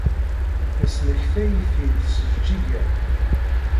Tesmektay-it-id s Jeǧǧiga.